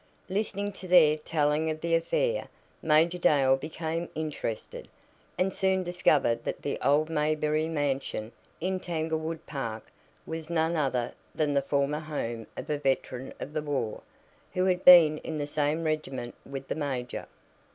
Listening to their telling of the affair, Major Dale became interested, and soon discovered that the old Mayberry Mansion, in Tanglewood Park, was none other than the former home of a veteran of the war, who had been in the same regiment with the major.